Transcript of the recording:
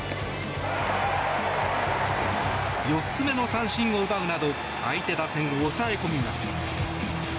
４つ目の三振を奪うなど相手打線を抑え込みます。